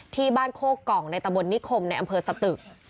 ที่บ้านโคกกล่องในตะบลนิคมในอำเภอสตึก